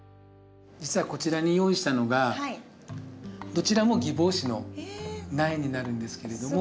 実はこちらに用意したのがどちらもギボウシの苗になるんですけれども。